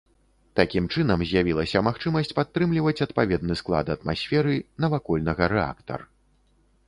Такім чынам з'явілася магчымасць падтрымліваць адпаведны склад атмасферы, навакольнага рэактар.